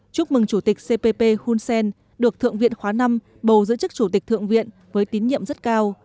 chúc mừng chủ tịch cpp hunsen được thượng viện khóa v bầu giữ chức chủ tịch thượng viện với tín nhiệm rất cao